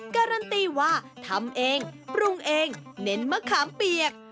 การันตีว่าทำเองปรุงเองเน้นมะขามเปียก